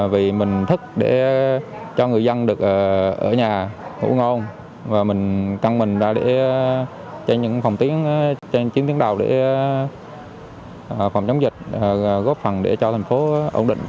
vì mình thức để cho người dân được ở nhà ngủ ngon và mình căng mình ra để cho những chiến tiến đầu để phòng chống dịch góp phần để cho thành phố ổn định